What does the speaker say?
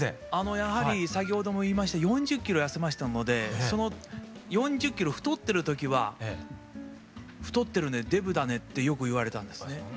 やはり先ほども言いました４０キロ痩せましたのでその４０キロ太ってる時は「太ってるねデブだね」ってよく言われたんですね。